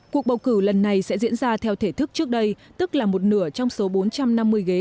cuộc bầu cử lần này sẽ diễn ra theo thể thức trước đây tức là một nửa trong số bốn trăm năm mươi ghế